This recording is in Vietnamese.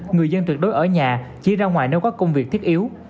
người dân trực đối ở nhà chia ra ngoài nếu có công việc thiết yếu